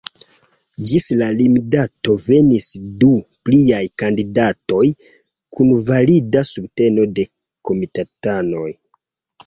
Ĝis la limdato venis du pliaj kandidatoj, kun valida subteno de komitatanoj.